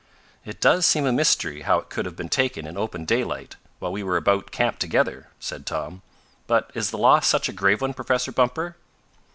"It does seem a mystery how it could have been taken in open daylight, while we were about camp together," said Tom. "But is the loss such a grave one, Professor Bumper?"